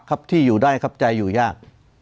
ครับที่อยู่ได้ครับใจอยู่ยาก